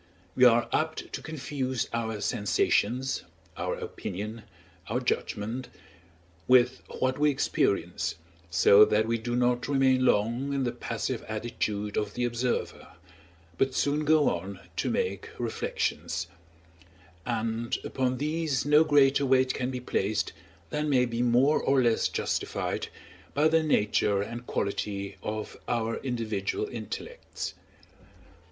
We are apt to confuse our sensations, our opinion, our judgment, with what we experience, so that we do not remain long in the passive attitude of the observer, but soon go on to make reflections; and upon these no greater weight can be placed than may be more or less justified by the nature and quality of our individual intellects.